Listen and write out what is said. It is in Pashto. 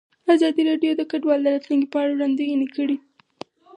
ازادي راډیو د کډوال د راتلونکې په اړه وړاندوینې کړې.